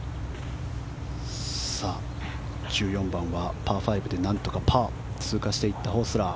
１４番はパー５でなんとかパー通過していったホスラー。